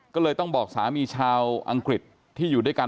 ก็เลยต้องบอกสามีชาวอังกฤษที่อยู่ด้วยกัน